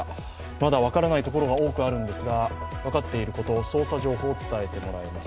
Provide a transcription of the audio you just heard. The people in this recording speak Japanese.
まだ分からないところが多くあるんですが分かっていること、捜査情報を伝えてもらいます。